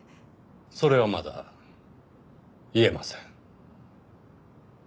それはまだ言えません。